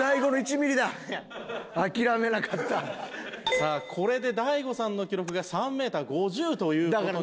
さあこれで大悟さんの記録が３メーター５０という事に。